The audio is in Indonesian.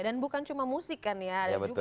dan bukan cuma musik kan ya